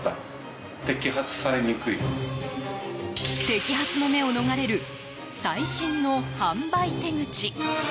摘発の目を逃れる最新の販売手口。